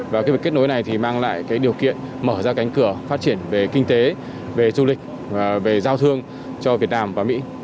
và cái việc kết nối này thì mang lại cái điều kiện mở ra cánh cửa phát triển về kinh tế về du lịch về giao thương cho việt nam và mỹ